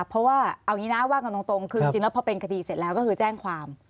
เพราะว่าเอางี้นะว่ากันตรงคือจริงแล้วพอเป็นคดีเสร็จแล้วก็คือแจ้งความ